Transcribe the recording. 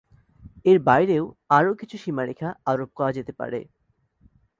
এর বাইরেও আরো কিছু সীমারেখা আরোপ করা যেতে পারে।